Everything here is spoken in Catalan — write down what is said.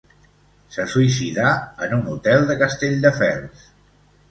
Se suïcidà en un hotel de Castelldefels.